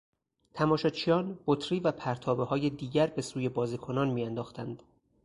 تماشاچیان بطری وپرتابههای دیگر به سوی بازیکنان میانداختند.